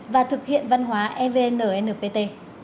và thực hiện văn hóa evnnpt